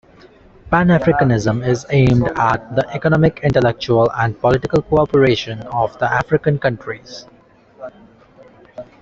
Pan-Africanism is aimed at the economic, intellectual and political cooperation of the African countries.